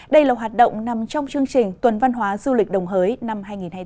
đây là hoạt động nằm trong chương trình tuần văn hóa du lịch đồng hới năm hai nghìn hai mươi bốn